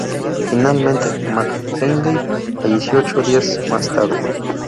Finalmente, McKinley falleció ocho días más tarde.